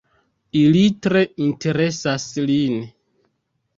Ili tre interesas lin.